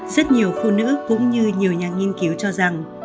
rất nhiều phụ nữ cũng như nhiều nhà nghiên cứu cho rằng